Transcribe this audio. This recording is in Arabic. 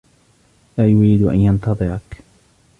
لا يريد أن ينتظرك.